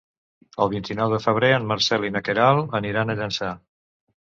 El vint-i-nou de febrer en Marcel i na Queralt aniran a Llançà.